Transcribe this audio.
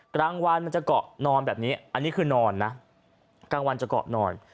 กลางวันมันจะเกาะนอนแบบนี้อันนี้คือนอนนะกลางวันจะเกาะนอน